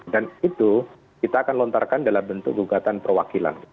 dan itu kita akan lontarkan dalam bentuk gugatan perwakilan